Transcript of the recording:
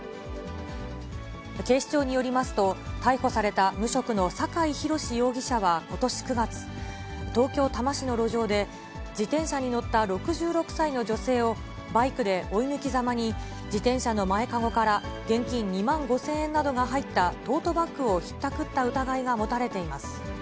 警視庁によりますと、逮捕された無職の酒井弘容疑者はことし９月、東京・多摩市の路上で、自転車に乗った６６歳の女性をバイクで追い抜きざまに、自転車の前籠から現金２万５０００円などが入ったトートバッグをひったくった疑いが持たれています。